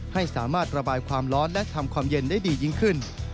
ให้สามารถระบายความร้อนและทำความเย็นได้ดียิ่งขึ้น